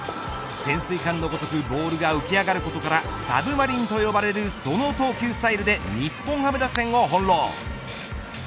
潜水艦のごとくボールが浮き上がることからサブマリンと呼ばれるその投球スタイルで日本ハム打線を翻弄。